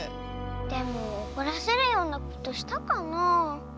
でもおこらせるようなことしたかなあ。